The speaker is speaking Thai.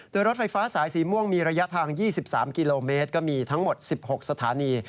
โดยรถไฟฟ้าสายสีม่วงมีระยะทาง๒๓กิโลเมตรก็มีทั้งหมด๑๖สถานี